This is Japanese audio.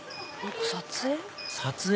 撮影？